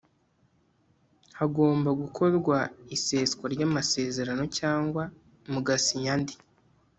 Hagomba gukorwa iseswa ryamasezerano cyangwa mugasinya andi